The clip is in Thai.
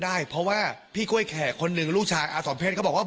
ได้เพราะว่าพี่กล้วยแขกคนหนึ่งลูกชายอาสมเพชรเขาบอกว่า